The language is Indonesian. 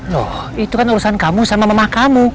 loh itu kan urusan kamu sama mama kamu